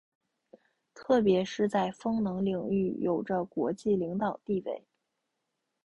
特别是在风能领域有着国际领导地位。